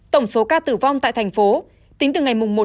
tổng số ca tử vong tại thành phố tính từ ngày một